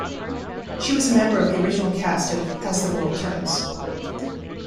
She was a member of the original cast of "As the World Turns".